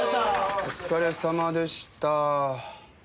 お疲れさまでした。